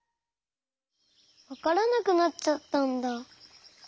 わからなくなっちゃったんだ。